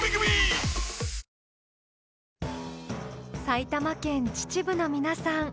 埼玉県秩父の皆さん